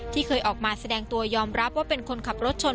เคยออกมาแสดงตัวยอมรับว่าเป็นคนขับรถชน